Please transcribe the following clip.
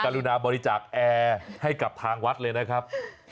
รุณาบริจาคแอร์ให้กับทางวัดเลยนะครับ